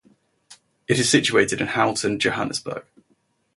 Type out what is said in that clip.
It is situated in Houghton, Johannesburg.